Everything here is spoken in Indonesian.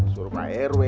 suruh pak herwe